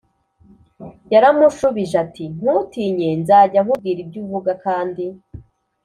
yaramushubije ati ntutinye Nzajya nkubwira ibyo uvuga kandi